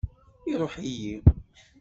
Iṛuḥ-iyi.